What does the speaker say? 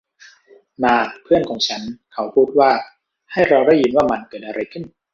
มา เพื่อนของฉัน เขาพูดว่า ’’ให้เราได้ยินว่ามันเกิดอะไรขึ้น ! ’’